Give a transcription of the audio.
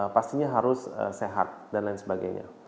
pastinya harus sehat dan lain sebagainya